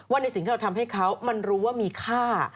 ในสิ่งที่เราทำให้เขามันรู้ว่ามีค่า